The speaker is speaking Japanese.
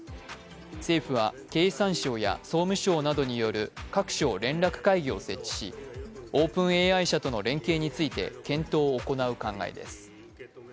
政府は経産省や総務省などによる各省連絡会議を設置し、ＯｐｅｎＡＩ社との連係について検討を行う考えです。